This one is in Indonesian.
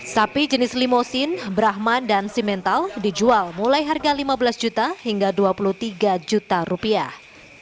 sapi jenis limosin brahma dan simental dijual mulai harga lima belas juta hingga dua puluh tiga juta rupiah